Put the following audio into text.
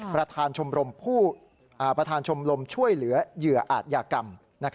ประธานชมรมช่วยเหลือเหยื่ออาชญากรรม